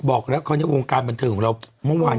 ออกแล้วในโแล็งกำบันเทอร์ของเรา